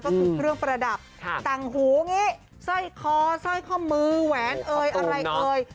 ก็คือเครื่องประดับต่างหูอย่างนี้สร้อยคอสร้อยข้อมือแหวนเอ่ยอะไรเอ่ย